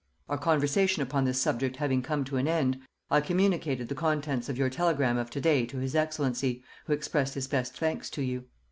Our conversation upon this subject having come to an end, I communicated the contents of your telegram of to day to his Excellency, who expressed his best thanks to you.